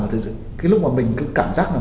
thực sự cái lúc mà mình cứ cảm giác là